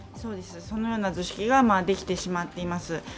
そのような図式ができてしまっています。